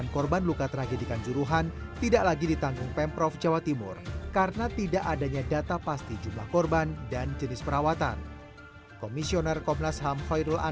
korban tragedikan juruhan menjadi tanggung jawab pemerintah bersama penyelenggara dan psdi